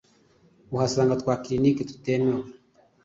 uhasanga twa 'clinics' tutemewe